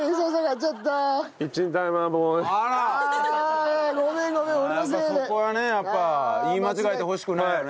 やっぱそこはねやっぱ言い間違えてほしくないよね。